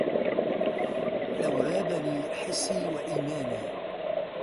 لو رابني حسي وإيماني